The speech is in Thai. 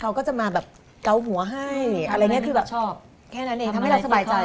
เขาก็จะมาแบบเกาหัวให้อะไรอย่างนี้คือแบบชอบแค่นั้นเองทำให้เราสบายใจ